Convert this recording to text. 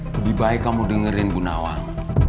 lebih baik kamu dengerin bu nawang